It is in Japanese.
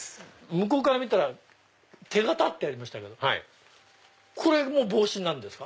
向こうから見たら手型ってありましたけどこれも帽子になるんですか？